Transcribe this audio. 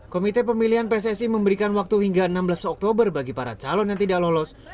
komite pemilihan pssi memberikan waktu hingga enam belas oktober bagi para calon yang tidak lolos